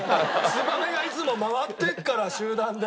つばめがいつも回ってるから集団で。